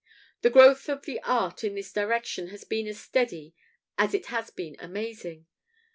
The growth of the art in this direction has been as steady as it has been amazing.